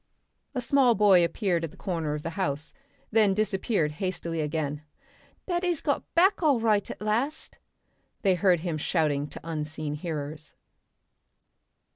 A small boy appeared at the corner of the house, and then disappeared hastily again. "Daddy's got back all right at last," they heard him shouting to unseen hearers.